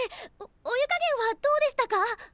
お湯加減はどうでしたか？